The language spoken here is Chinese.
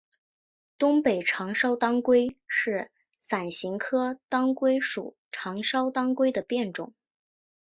东北长鞘当归是伞形科当归属长鞘当归的变种。